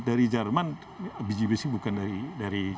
dari jerman biji besi bukan dari jerman